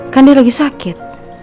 kan dia lagi sakit